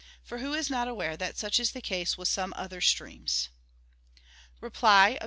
For who is not aware that such is the case with some other streams?" Reply Obj.